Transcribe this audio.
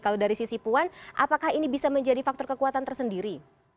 kalau dari sisi puan apakah ini bisa menjadi faktor kekuatan tersendiri